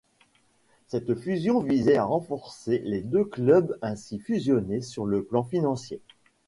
Cette fusion visait à renforcer les deux clubs ainsi fusionnés sur le plan financier.